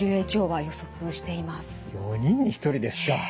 ４人に１人ですか。